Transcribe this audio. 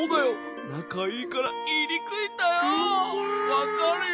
わかるよ。